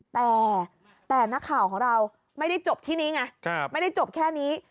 แต่นักข่าวของเราไม่ได้จบที่นี้ไงไม่ได้จบแค่นี้